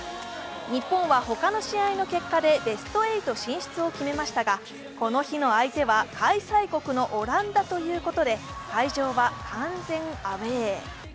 日本は他の試合の結果でベスト８進出を決めましたがこの日の相手は開催国のオランダということで会場は完全アウェー。